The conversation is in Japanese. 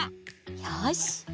よし！